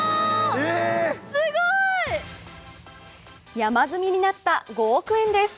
山積みになった５億円です。